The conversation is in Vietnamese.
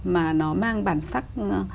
mà nó mang bản sắc